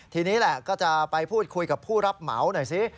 ทีนี้แหละก็จะไปพูดคุยกับผู้รับเหมาหน่อยสิ